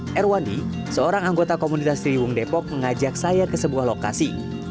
saya rwandi seorang anggota komunitas ciliwung depok mengajak saya ke sebuah lokasi